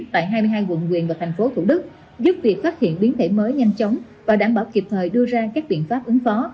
tại hai mươi hai quận quyền và thành phố thủ đức giúp việc phát hiện biến thể mới nhanh chóng và đảm bảo kịp thời đưa ra các biện pháp ứng phó